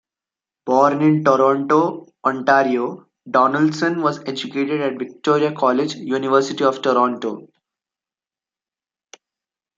Born in Toronto, Ontario, Donaldson was educated at Victoria College, University of Toronto.